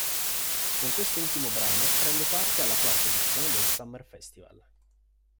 Con quest'ultimo brano prende parte alla quarta edizione del Summer Festival.